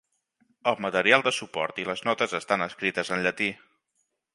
El material de suport i les notes estan escrites en llatí.